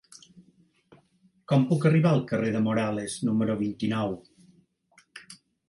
Com puc arribar al carrer de Morales número vint-i-nou?